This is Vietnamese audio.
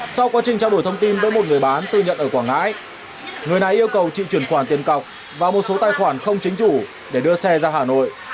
sau quá trình trao đổi thông tin với một người bán tự nhận ở quảng ngãi người này yêu cầu chị chuyển khoản tiền cọc và một số tài khoản không chính chủ để đưa xe ra hà nội